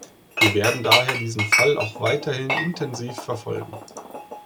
Wir werden daher diesen Fall auch weiterhin intensiv verfolgen.